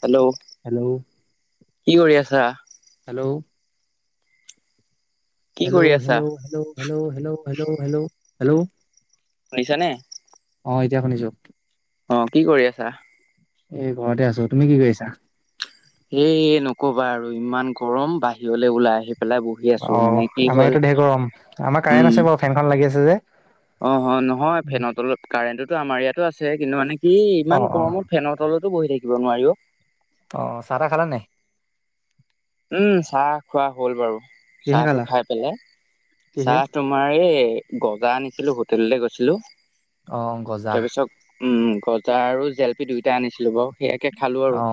Hello, hello কি কৰি আছা? হেল্ল' কি কৰি আছা হেল্ল-হেল্ল-হেল্ল-হেল্ল- হেল্ল-হেল্ল-হেল্ল-হেল্ল শুনিছানে? অ এতিয়া শুনিছো। অ কি কৰি আছা? এ ঘৰতে আছো, তুমি কি কৰিছা? এ নকবা আৰু ইমান গৰম বাহিৰলৈ ওলাই আহিব অ আমাৰ এইটো ঢেৰ গৰম আমাৰ কাৰেণ্ট আছে বাৰু ফেনখন লাগি আছে যে। অ-অ নহয় ফেন তলত কাৰেণ্টটোতো আমাৰ ইয়াতো আছে কিন্তু মানে- কি অ ইমান অ গৰমত ফেনৰ তলতো বহি থাকিব নোৱাৰি অহ। অহ চাহ টা খালা নাই? উম চাহ খোৱা হ'ল বাৰু। কিহে চাহ টো খালা খাই পেলাই, কিহে? চাহ তোমাৰ এই গজা আনিছিলো হোটেললে গৈছিলো। অহ গজা। তাৰপিছত উম গজা আৰু জেলেপি দুই য়া আনিছিলো বাৰু সেয়াকে খালো অ আৰু।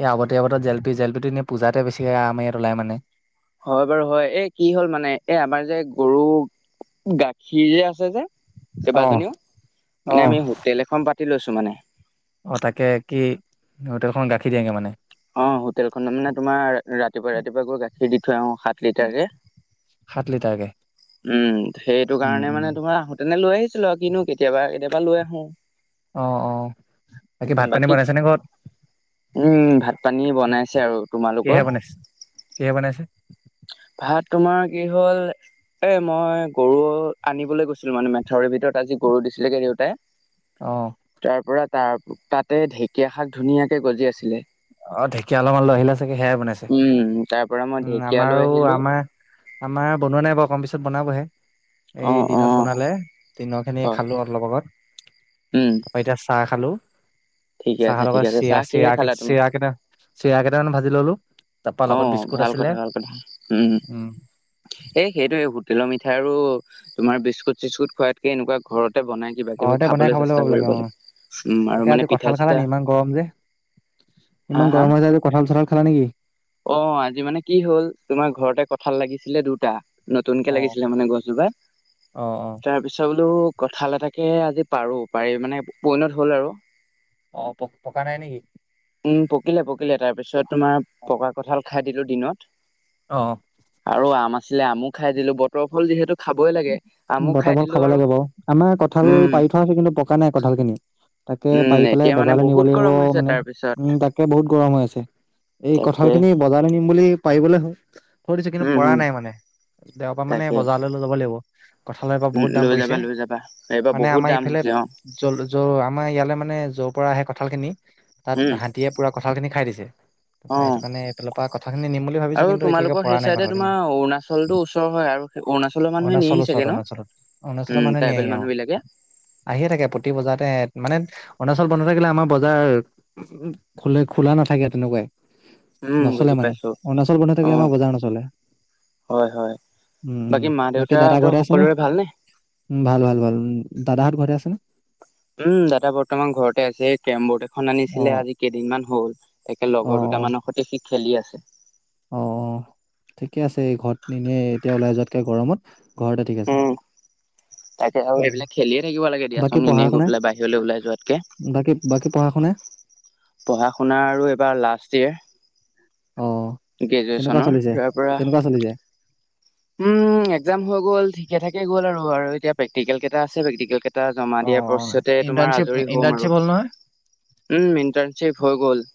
এই আগতীয়া বতৰত জেলপি জেলপিটো এনেই পূজাতে বেছি হয়, আম ইয়াত ওলাই মানে। হয় বাৰু হয়, এই কি হ'ল মানে এ আমাৰ যে গৰু গাখীৰ যে আছে যে অ কেইবাজনীও অ মানে আমি হোটেল এখন পাতি লৈছো মানে। অ তাকে কি হোটেলখন গাখীৰ দিয়েগে মানে? অ হোটেল খত মানে তোমাৰ ৰাতিপুৱা ৰাতিপুৱা গৈ গাখীৰ দি থৈ আহোঁ। সাত লিটাৰকে। উম সেইটো উম কাৰণে মানে উম তোমাৰ আহোঁতেনে লৈ আহিছিলো আৰু কিনো কেতিয়াবা কেতিয়াবা লৈ আহো। অ অ ভাত পানী বাকী, বনাইছে নে ঘৰত? উম ভাত পানী বনাইছে আৰু, কিহে তোমালোকৰ? বনাইছে কিহে বনাইছে ভাত তোমাৰ কি হ'ল এ মই গৰু আনিবলৈ গৈছিলো মানে মেথাউৰিৰ ভিতৰত আজি গৰু দিছিলেগে দেউতাই। অ তাৰ পৰা তাৰ তাতে ঢেকীয়া শাক ধুনীয়াকে গজি আছিলে। অ ঢেকীয়া অলপমান লহিলা চাগে সেয়াই বনাইছে, উম তাৰ পৰা মই উম ঢেকীয়া লৈ আমাৰো আহিলো আমাৰ আমাৰ বনোৱা নাই বাৰু অকমান পিছত বনাবহে। অ এই অ দিনত বনালে দিনৰ খিনি হয় খালো অলপ আগত। উম, অ এতিয়া চাহ খালো। ঠিকে আছে চাহৰ লগত ঠিকে আছে চিৰা চাহ কিহে চিৰা খালা তুমি? চিৰা কেইটা চিৰা কেইটামান ভাজি ললো। তাৰপা লগত অঁ বিস্কুট ভাল আছিলে কথা ভাল কথা। উম। এই সেইটোৱে হোটেলৰ মিঠাই আৰু তোমাৰ বিস্কুট চিস্কুট খোৱাতকে এনেকুৱা ঘৰত তে বনাই কিবা কিবি ঘৰতে বনাই খাবলৈ চেষ্টা পাব কৰিব অ লাগে। উম তাকে আৰু আজি মানে পিঠা কঁঠাল খালা নি চিঠা। হা ইমান গৰম হৈ যাৱ যে কঁঠাল চঠাল খালা নেকি? অঁ আজি মানে কি হ'ল তোমাৰ ঘৰতে কঁঠাল লাগিছিলে দুটা। নতুনকৈ অ লাগিছিলে মানে গছজোপাত। অ অ তাৰপিছত বোলো কঁঠাল এটাকে আজি পাৰো। পাৰি মানে পৰিণত হল আৰু। অঁ প পকা নাই নেকি? উম, পকিলে পকিলে তাৰপিছত তোমাৰ পকা কঁঠাল খাই দিলো দিনত। অ আৰু আম আছিলে আমো খাই দিলো, বতৰৰ ফল যিহেতু খাবই লাগে আমো খাই বতৰৰ দিলো খাব আৰু লাগে বাৰু। আমাৰ কঁঠাল উম পাৰি থোৱা আছে কিন্তু পকা নাই কঁঠাল খিনি। তাকে উম পাৰি পেলাই এতিয়া মানে বজাৰলৈ নিব বহুত লাগিব গৰম হৈছে মানে। তাৰ পিছত উম তাকে বহুত গৰম হৈ আছে। এই কঁঠাল তাকে খিনি বজাৰলৈ নিম বুলি পাৰিব থৈ দিছো, কিন্তু উম পৰা হম নাই মানে। দেওবৰা মানে তাকে বজাৰলৈ লৈ যাব লাগিব। কঁঠালৰ এইবাৰ উম বহুত দাম লৈ যাবা পৰিছে। লৈ যাবা এইবাৰ মানে বহুত আমাৰ দাম এইফালে হৈছে অ আমাৰ ইয়ালে মানে যৰ পৰা আহে কঁঠাল খিনি, উম তাত হাতীয়ে পোৰা কঁঠাল খিনি খাই দিছে। অ তাপা সেইটো কাৰণে এইফালৰ পৰা কথাখিনি নিম বুলি আৰু ভাবিছো, কিন্তু এতিয়ালৈকে তোমালোকৰ সেই পৰা নাই চাইডে কঁঠাল তোমাৰ খিনি। অৰুণাচলতো ওচৰ হয় আৰু সেই অৰুণাচলৰ মানে অৰুণাচল ওচৰত অৰুণাচলত। অৰুণাচলৰ মানুহে ট্ৰাইবেল নিয়েহি অঁ। মানুহ বিলাকে আহিয়ে থাকে প্ৰতি বজাৰ তে মানে অৰুণাচল বন্ধ থাকিলে আমাৰ বজাৰ খো খোলা নাথাকে তেনেকুৱাই। উম বুজি নচলে মানে। পাইছো অৰুণাচল বন্ধ অ থাকিলে আমাৰ বজাৰ নচলে। হয় হয়। বাকী মা দেউতা এই দাদাৰ ঘৰতে আছেনে? উম ভাল ভাল ভাল উম। দাদাহঁত ঘৰতে আছেনে? উম দাদা বৰ্তমান ঘৰতে আছে। এই কেৰম বৰ্ড এ খন অ অ আনিছিলে আজি কেইদিনমান হ'ল। তাকে লগৰ দুটামানৰ সৈতে সি খেলি আছে। অঁ অঁ। ঠিকে আছে, এই ঘৰত এনেই এতিয়া ওলাই যোৱাতকে গৰমত ঘৰতে ঠিক আছে। উম, তাকে আৰু উম, এইবিলাক খেলিয়ে থাকিব লাগে দিয়াচোন এনেই গৈ পেলাই বাহিৰলৈ ওলাই যোৱাতকে। বাকি বাকি পঢ়া শুনা? পঢ়া শুনা আৰু এইবাৰ লাষ্ট ইয়েৰ। অঁ কেনেকুৱা গ্ৰেজুৱেশ্যনৰ চলিছে তাৰ পৰা কেনেকুৱা চলিছে? উম এক্জাম হৈ গ'ল, ঠিকে থাকে গ'ল আৰু। আৰু এতিয়া প্ৰেক্টিকেল কেইটা আছে প্ৰেক্টিকেল কে টা জমা অ দিয়াৰ অ পাছতে তোমাৰ ইণ্টাৰ্ণশ্বিপ আজৰি হম আৰু। ইণ্টাৰ্ণশ্বিপ হ'ল নহয় উম ইণ্টাৰ্ণশ্বিপ হৈ গল।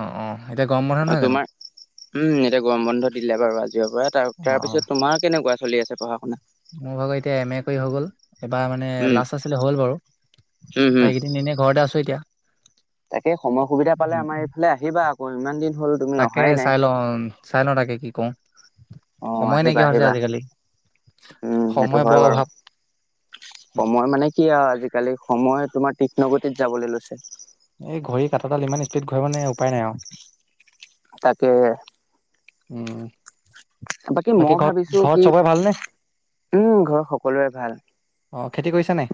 অ অ এতিয়া গৰম বন্ধ অঁ নহয় জানো তোমাৰ উম এতিয়া গৰম বন্ধ দিলে বাৰু আজিৰ পৰা। তাৰ অ তাৰ অ পিছত তোমাৰ কেনেকুৱা চলি আছে পঢ়া শুনা? মোৰ ভাগৰ এতিয়া এম এ কৰি হৈ গ'ল। এবাৰ মানে উম, লাষ্ট আছিলে হ'ল বাৰু। উম, তাৰ হম পৰা এইকেইদিন এনে ঘৰতে আছো এতিয়া। তাকে সময় সুবিধা পালে উম, আমাৰ উম। এইফালে আহিবা আক ইমান দিন হ'ল। তুমি তাকে অহাই নাই চাইলও চাইলও তাকে কি কৰো। অঁ আহিবা আহিবা। উম সেইটো সময় বৰ হয় বাৰু। অভাৱ সময় মানে কি আৰু আজিকালি সময় তোমাৰ তীক্ষ্ণ গতিত যাবলে লৈছে। এই ঘড়ীৰ কাটাডাল ইমান স্পীড ঘূৰে মানে উপায় নাই আৰু। তাকেহে। উম বাকী মই ঘৰত ভাবিছো ঘৰত কি। চবৰে ভালনে উম ঘৰৰ সকলোৰে ভাল। অ খেতি কৰিছ নাই?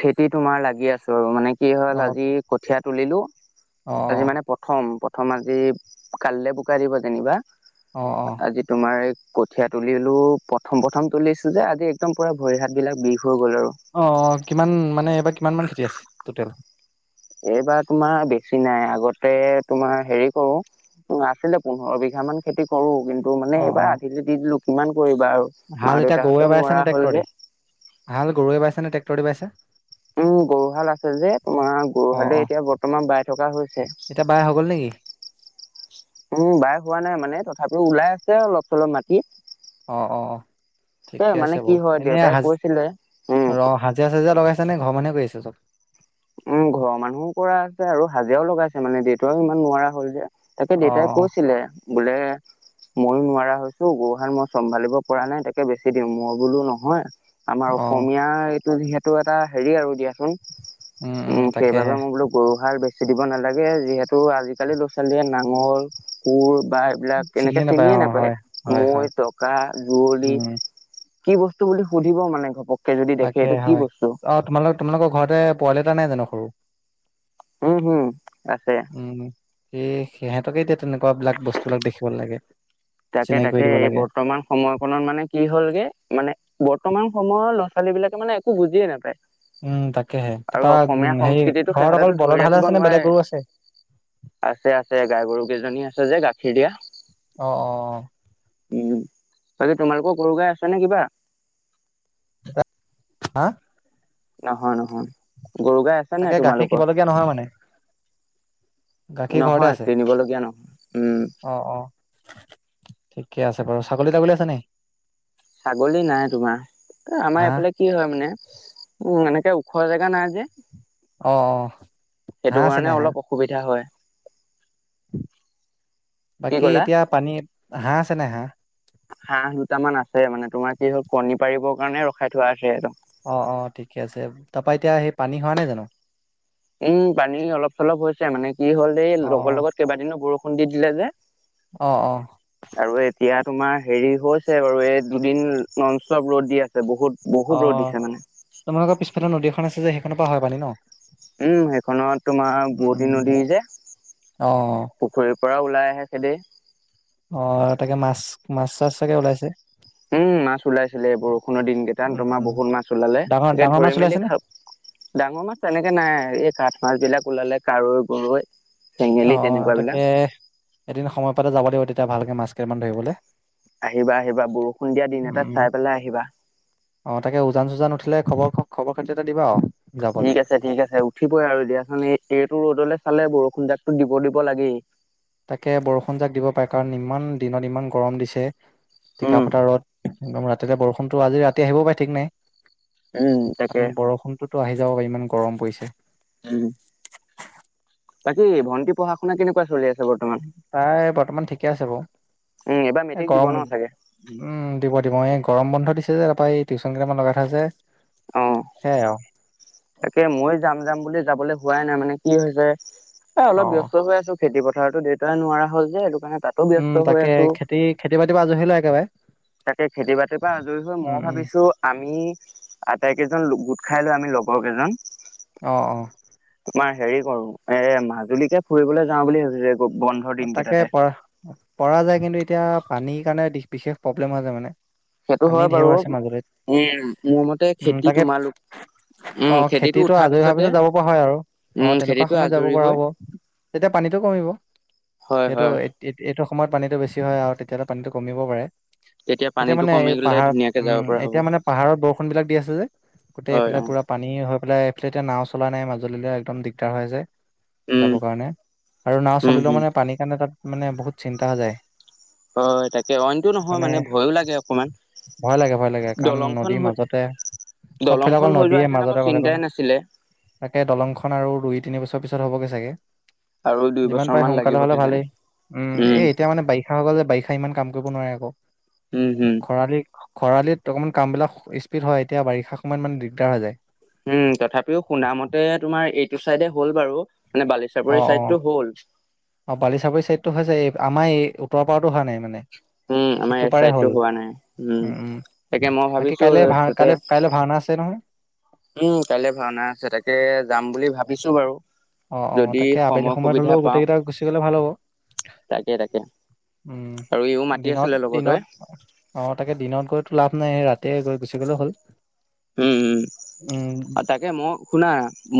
খেতি তোমাৰ লাগি আছো আৰু, মানে কি হ'ল অ আজি কঠিয়া তুলিলো। অ আজি মানে প্ৰথম। প্ৰথম আজি কাললৈ বোকা দিব যেনিবা। অ অ আজি তোমাৰ কঠীয়া তুলিলো প্ৰথম প্ৰথম তুলিছো যে আজি একদম পোৰা ভৰি হাত বিলাক বিষ হৈ গ'ল আৰু। অ কিমান মানে এইবাৰ কিমানান খেতি আছে টোটেল? এইবাৰ তোমাৰ বেছি নাই। আগতে তোমাৰ হেৰি কৰো আছিলে পোন্ধৰ বিঘা মান খেতি কৰো। কিন্তু মানে অ অ এইবাৰ আধিলৈ দি দিলো। কিমান কৰিবা আৰু মা হাল এতিয়া গৰুৱে দেউতাহঁতেও বাইছে নোৱাৰা নে হ'ল ট্ৰেক্টৰ যে দি, হাল গৰুৱে বাইছে নে ট্ৰেক্টৰ দি বাইছে? উম গৰুহাল আছে যে, তোমাৰ অ অ গৰুহালেই এতিয়া বৰ্তমান বাই থকা হৈছে। এতিয়া বাই হৈ গ'ল নেকি? উম বাই হোৱা নাই মানে, তথাপিও ওলাই আছে অলপ চলপ মাটি। অঁ অঁ অঁ। এ ঠিকে মানে আছে কি বাৰ। হয় এনে দেউতাই হাজ কৈছিলে উম অ হজিৰা চাজিৰা লগাইছ নে ঘৰৰ মানুহে কৰি আছে চব? উম ঘৰৰ মানুহো কৰা আছে আৰু হাজিৰাও লগাইছ এ মানে দেউতাও ইমান নোৱাৰা হল যে। তাকে অ দেউতাই কৈছিলে বোলে মইয়ো নোৱাৰা হৈছো গৰুহাল মই চম্ভালিব পৰা নাই তাকে বেছি দিওঁ, মই বোলো নহয় আমাৰ অ অসমীয়াৰ এইটো যিহেতু এটা হেৰি আৰু দিয়াচোন। উম সেইবাবে মই বোলো গৰুহাল বে চি দিব নালাগে যিহেতু আজিকালি ল'ৰা ছোৱালীয়ে নাঙৰ, কোৰ বা এইবিলাক এনেকে চিনিয়ে অ নাপায়। হয় হয় মৈ, হয় টকা, ৰুৱলি। উম কি বস্তু বুলি সুধিব মানে ঘপকে। তাকে হয়। অ তোমাল তোমালোকৰ ঘৰতে পোৱালি এটা নাই জানো সৰু? উম হম আছে। উম সি সিহঁতকে এতিয়া তেনেকুৱা বিলাক বস্তুবিলাক দেখিবলে লাগে। তাকে চিনাকি কৰি তাকে দিব এই লাগে বৰ্তমান সময় কণত মানে কি হ'লগে, মানে বৰ্তমান সময়ৰ ল'ৰা ছোৱালী বিলাকে মানে একো বুজিয়ে নাপায়। উম তাকেহে তাৰপা আৰু উম অসমীয়া হেৰি সংস্কৃতিতটো ঘৰত অকল সিহঁতেতো বলদ ধৰি হালে ৰাখিব আছে নে বেলেগ নোৱাৰে। গৰু আছে আছে আছে গাই গৰু কেইজনী আছে যে গাখীৰ দিয়া। অঁ অঁ অঁ। উম তাকে তোমালোকৰ গৰু গাই আছে নে কিবা? এটা। হা? নহয় নহয় গৰু গাই আছে তাকে নাই গাখীৰ তোমালোকৰ? কিনিবলগীয়া নহয় মানে গাখীৰ ঘৰতে নহয় আছে চিনিবলগীয়া নহয়। উম। অ অ ঠিকে আছে বাৰু ছাগলী তাগলী আছে নাই? ছাগলী নাই তোমাৰ। আমাৰ হাঁহ এইফালে কি হয় মানে উম এনেকে খোৱা জেগা নাই যে, অ অ সেইটো হাঁহ আছে নে কাৰণে হাঁহ অলপ অসুবিধা হয়। কি বাকী ক'লা এতিয়া পানীত হাঁহ আছে নাই হাঁহ? হাঁহ দুটামান আছে মানে তোমাৰ কি হল কণী পাৰিবৰ কাৰণে ৰখাই থোৱা আছে সেতক। অঁ অঁ ঠিকে আছে। তাপা এতিয়া সেই পানী হোৱা নাই জানো? উম পানী অলপ চলপ হৈছে, মানে কি হ'ল এই অ লগে লগে কেইবাদিনো বৰষুণ দি দিলে যে। অঁহ অহঁ। আৰু এতিয়া তোমাৰ হেৰি হৈছে বাৰু এই দুদিন নন্ ষ্টপ ৰ'দ দি আছে বহুত। বহুত ৰ'দ অঁহ দিছে মানে তোমালোকৰ পিছফালে নদী এখন আছে যে সেইখনৰ পৰা হয় পানী ন? উম সেইখনত তোমাৰ বুৱতী উম নদী যে অ পুখুৰীৰ পৰা ওলাই [unintelligible] অঁ তাকে মাছ মাছ চাছ চাগে ওলাইছে? উম মাছ ওলাইছিলে, বৰষুণৰ দিন কেইটাত তোমাৰ উম বহুত মাছ ওলালে, ডাঙৰ তাকে ডাঙৰ মাছ ধৰি ওলাইছে মেলি নে খাও। ডাঙৰ মাছ তেনেকে নাই, এই কাঠ মাছ বিলাক ওলালে কাৱৈ গৰৈ। চেঙেলী অঁ তেনেকুৱা তাকে বিলাক এদিন সময় পালে যাব লাগিব তেতিয়া ভালকে মাছ কেইটামান ধৰিবলে। আহিবা আহিবা বৰষুণ দিয়া দিন এটাত চাই পেলাই আহিবা। অঁ তাকে উজান চুজান উঠিলে খবৰ খ খবৰ খাতি এটা দিবা আৰু। যাবলে ঠিক আছে ঠিক আছে। উঠিবই আৰু দিয়াচোন এই টো ৰ'দলে চালে বৰষুণজাক তহ দিব দিব লাগেই। তাকে বৰষুণ যাক দিব পাৰে কাৰণ ইমান দিনত ইমান গৰম দিছে। উম টিকাফতাৰ ৰদ একদম ৰাতিলে বৰষুণতো আজি ৰাতি আহিবও পাৰে ঠিক নাই উম তাকে ো আহি যাব পাৰি ইমান গৰম পৰিছে উম বাকী ভণ্টি পঢ়া শুনা কেনেকুৱা চলি আছে বৰ্তমান তাই বৰ্তমান ঠিকে আছে বাৰু উম এইবাৰ এ মেট্ৰিক দিব গৰম ন চাগে উম দিব দিব এই গৰম বন্ধত দিছে যে তাৰৰা এই টিউচন কেইটান লগাই থ আ যে অ তাকে মই যাম যাম বুলি যাবলৈ হোৱাই নাই মানে কি হৈছে এ অ অলপ ব্য্স্ত হৈ আছো খেতি পথাৰতো দেউতাই নোৱাৰা হল যে এইটো উম তাকে খেতি খেতি বাতি বা আজহী লয় একেবাৰে তাকে খেতি বাতিৰ পৰা আজৰি হৈ মই উম উম ভাবিছো আমি আটাই কেইজন গোট খাই লো আমি লগৰ কেইজন আহ অ তোমাৰ হেৰি কৰো এ মাজুলীকে ফুৰিবলৈ যাওঁ বুলি ভাবিছো বন্ধৰ দিন তাকে কেইটাতে পৰা পৰা যায় কিন্তু এতিয়া পানীৰ কাৰণে বিশেষ প্ৰব্লেম হৈ যায় মানে সেইটো পানী হয় বাৰু ঢেউৰ আছে উম মোৰ মতে মাজুলত উম খেতি তাকে তোমালোক উম অ খেতিটো খেতিতটো উঠাৰ আজৰি হোৱাৰ পিছতে পিছত যাব পৰা হয় আৰু অ উম তেনেকুৱা খেতিটো সময়ত যাব আজৰি পৰা হৈ হ'ব তেতিয়া পানীতটো কমিব। হয় সেইটো হয় এইটো সময়ত পানীতটো বেছি হয় আৰু তেতিয়াহ'লে পানীতটো কমিব পাৰে। তেতিয়া এতিয়া পানীটো মানে কমি গ'লে পাহাৰত ধুনীয়াকে যাব উম পৰা হ'ব এতিয়া মানে পাহাৰত বৰষুণ বিলাক দি আছে যে গোটেই হয় এইফালে অ পুৰা পানী হৈ পেলাই আ এতিয়া না চলা নাই মাজুল একদম দিগদাৰ যাব উম কাৰণে আৰু না উম চলিলেও হম মানে পানীৰ কাৰণে তাত মানে বহুত চিন্তা হৈ যায় হয় তাকে অইনটো নহয় মানে ভয়ো লাগে অকমান ভয় লাগে ভয় লাগে কাৰণ দলংখন নদীৰ হৈ মাজতে। চবফালে দলংখন অকল হৈ নদীয়ে যোৱাহেঁতেন আকৌ মাজতে ভালে চিন্তাই নাছিলে তাকে দলংখনন আৰু দুই তিন বছৰ পিছত। ত হ'বগে চাগে। আৰু দুই যিমান বছৰ পাৰে মান সোনকালে লাগিব হ'লে কিজানি ভালেই উম উম এই এতিয়া মানে বাৰিষা হকলল যে বা। ইমান কাম কৰিব নোৱাৰে আকৌ উম হম খৰালি খৰালিত অকণমান কামবিলাক স্পীড হয় এতিয়া বাৰিষা সময়ত মানে দিগদাৰ হৈ যায় উম তথাপিও শুনামতে তোমাৰ এইটো চাইডে হ'ল বাৰু মানে অ বালিচাপৰি অ চাইডটো হ'ল অ বালিচাপৰি ছাইডটো হৈছে এই আমাৰ এই উত্তৰ পাৰতো হোৱা নাই মানে উম আমাৰ সেইটো এই পাৰে চাইডটো হ'ল হোৱা নাই উম তাকে উমল। মই বাকী ভাবিছো কাইলৈ ভা তাতে কাই কাইলৈ ভাওনা আছে নহয়। উম কাইলৈ ভাওনা আছে তাকে যাম বুলি ভাবিছো বাৰু। অ অ যদি তাকে আবেলি সময় সময়ত সুবিধা হলেও গোটেই পাওঁ কেইটা গুচি গলে ভাল হব। তাকে তাকে উম আৰু ইও মাতি দিনত আছিলে লগৰটোৱে দিনত আহ তাকে দিনত গৈতো লাভ নাইে ৰাতি। তে গৈ গুচি গ'লেও হ'ল। উম উম। তাকে মই শুনা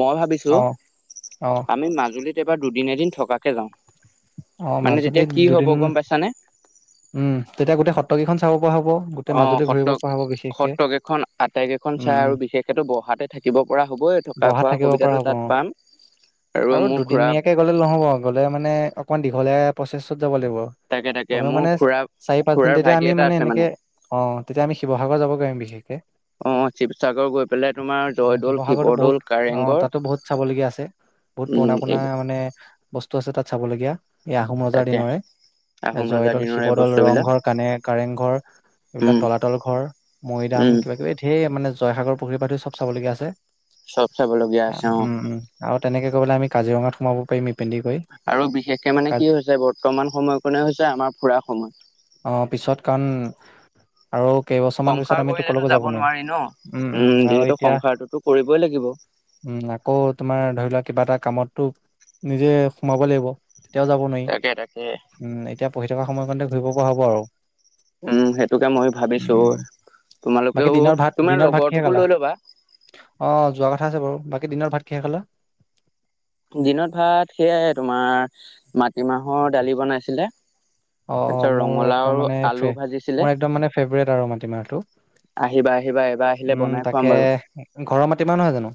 মই ভাবিছো অ', অ', আমি মাজুলীত এবাৰ দুদিনে এদিন থকা যাও অ', মানে তেতিয়া মাজুলীত কি হব দুদিন গম পাইছানে উম তেতিয়া গোটেই সত্ৰ কেইখন চাব পৰা হ'ব গোটেই অ মাজুলী ঘূৰিব সত্ৰ পৰা হ'ব বিশেষকে সত্ৰকেইখন আটাইকেইখন উম, চাই উম, আৰু বিশেষকেতো বহাতে থাকিব। পৰা হ'বই থকা বহাত খোৱা থাকিব পৰা সুবিধাতটো হ'ব তাত অ'। পাম। আৰু মোৰ খুৰা দুদিনীয়াকে গ'লে নহ'ব গ'লে মানে। অকমান দীঘলীয়া প্ৰচেছত যাব তাকে তাকে লাগিব মোৰ মানে। খুৰা চাৰি পাঁচ দিন খুৰাৰ তেতিয়া ভাইটি আমি এটা মানে আছে এনেকে অ তেতিয়া আমি শিৱসাগৰত যাব পাৰিম বিশেষকে। অ' শিৱসাগৰ গৈ পেলাই তোমাৰ জয়দৌল শিৱসাগৰতৰতটো শিৱদৌল বহুত আহ কাৰেংঘৰ তাতো বহুত চাবলগীয়া আছে। বহুত পুৰণা উম, এই পোণা মানে বস্তু আছে তাত চাবলগীয়া এই আহোম ৰজাৰ তাকে দিনৰে। আহোম ৰজাৰ জয়দৌল, দিনৰ এই শিৱদৌল, বস্তুবিলাক ৰংঘৰ, কানে কাৰেংঘৰ এইবিলাক উম, তলাতল ঘৰ, মৈদাম উম, কিবা কিবি ধেৰ মানে জয়সাগৰ পুখুৰী পা ধৰি চব চাবলগীয়া আছে। চব চাবলগীয়া আছে অ'। উম উম আৰু তেনেকে গৈ পেলাই আমি কাজিৰঙাত সোমাব পাৰিম। ইপিনেদি গৈ আৰু বিশেষকে মানে কাজ কি হৈছে বৰ্তমান সময় কণে হৈছে আমাৰ ফুৰা সময়। অ পিছত কাৰণ, আৰু কেইবছৰমান পিছত সংসাৰ আমি তো কৰিলেতো কলৈকো যাব নোৱাৰিম। নোৱাৰি ন উম যিহেতু সংসাৰটোতো কৰিবই লাগিব। উম, আকৌ তোমাৰ ধৰি লোৱা কিবা এটা কামতটো নিজে সোমাব লাগিব। তেতিয়াও যাব নোৱাৰি, তাকে তাকে উম এতিয়া পঢ়ি থকা সময় কাৰণতে ঘূৰিব পৰা হ'ব আৰু। উম সেইটোকে মই উম ভাবিছোঁ। উম বাকী তোমালোকেও দিনৰ ভাত তোমাৰ দিনৰ ভাত কিহে লগৰটোকো খালা লৈ লবা। অ যোৱা কথা আছে বাৰু বাকী দিনৰ ভাত কিহে খালা? দিনত ভাত সেয়াই তোমাৰ মাটিমাহৰ দালি বনাইছিলে। অ অ তাৰপিছত মোৰ ৰঙালাও একদম আৰু মানে আলু ভাজিছিলে মোৰ একদম মানে ফেভৰেট আৰু মাটিমাহটো। আহিবা আহিবা এবাৰ আহিলে উম বনাই খুৱাম তাকে বাৰু ঘৰৰ মাটিমাহ নহয় জানো?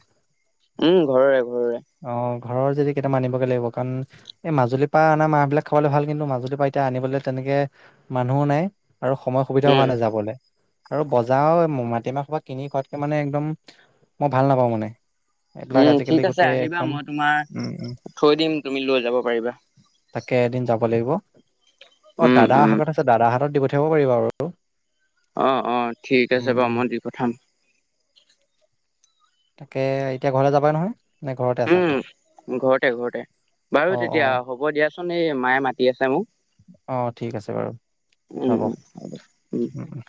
উম ঘৰৰে ঘৰৰে অ ঘৰৰ যদি কেইটামান আনি বগে লাগিব। কাৰণ এই মাজুলী পা আনা মাহ বিলাক খাবলৈ ভাল কিন্তু মাজুলী পা এতিয়া আনিবলৈ তেনেকে মানুহও নাই আৰু সময় সুবিধাও হোৱা উম নাই যাবলে। আৰু বজাৰ মাটিমাহহোপা কিনি খোৱাতকে মানে একদম, মই ভাল নাপাওঁ মানে। এইবিলাক উম আজিকালি ঠিক আছে গোটেই আহিবা, একদম মই তোমাৰ উম, উম, থৈ দিম তুমি লৈ যাব পাৰিবা। কেইদিন যাব লাগিব অ উম দাদাৰ উম হাতত আছে দাদা হাতত দি পঠিয়াক পাৰিব আৰু। অ অ ঠিক আছে উম, বাৰু উম, মই দি পঠাম। তাকে এতিয়া ঘৰলে যাবাই নহয়? নে ঘৰতে আছা উম ঘৰতে ঘৰতে, বাৰু অ', তেতিয়া অ', হ'ব দিয়া চোন এই মায়ে মাতি আছে মোক। অঁ ঠিক আছে বাৰু উম হ'ব। উম উম উম।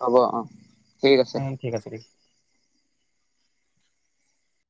হ'ব অহ। উম ঠিক আছে ঠিক দিয়া।